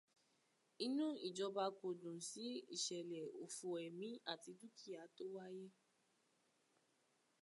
Inú ìjọba kò dùn sí ìṣẹ̀lẹ̀ òfò ẹ̀mí àti dúkìá tó wáyé.